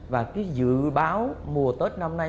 và cái dự báo mùa tết năm nay